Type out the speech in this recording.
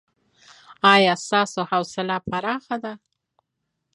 ایا ستاسو حوصله پراخه ده؟